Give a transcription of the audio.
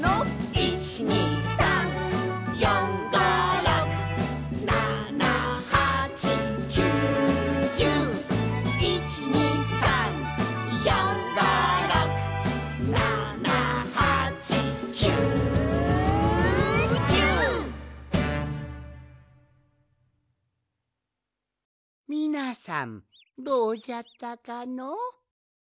「１２３４５６７８９１０」「１２３４５６７８９１０」みなさんどうじゃったかの？